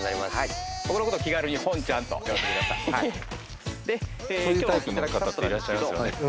僕のこと気軽にほんちゃんと呼んでくださいそういうタイプの方っていらっしゃいますよね